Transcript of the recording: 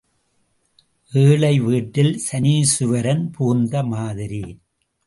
ஏழை வீட்டில் சனீசுவரன் புகுந்த மாதிரி.